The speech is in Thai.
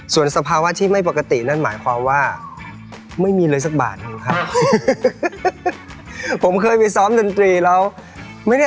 ส่วนสภาวะที่ไม่ปกตินั่นหมายความว่าไม่มีเลยสักบาทครับ